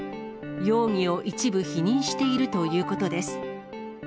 容疑を一部否認しているということです。